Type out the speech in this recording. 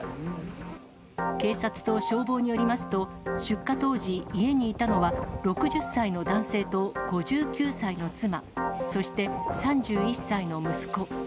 警察と消防によりますと、出火当時、家にいたのは６０歳の男性と５９歳の妻、そして３１歳の息子。